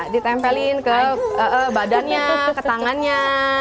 ditempelin ke badannya ke tangannya